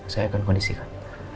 saya akan kondisikan